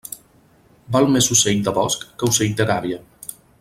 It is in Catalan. Val més ocell de bosc que ocell de gàbia.